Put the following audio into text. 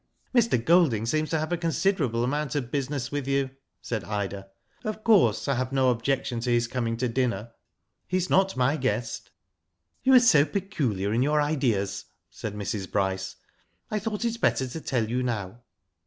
*' Mr. Golding seems to have a considerable amount of business with you," said Ida. '' Of course, I have no objection to his coming to dinner. He is not my guest." "You are so peculiar in your ideas," said Mrs. Bryce. *'I thought it better to tell you now."